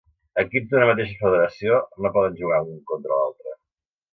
Equips d'una mateixa federació no poden jugar un contra l'altre.